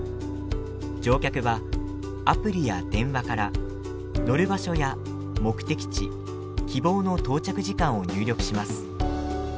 乗客はアプリや電話から乗る場所や目的地希望の到着時間を入力します。